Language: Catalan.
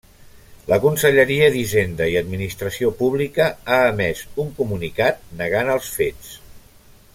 La Conselleria d'Hisenda i Administració Pública ha emès un comunicat negant els fets.